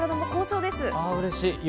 うれしい。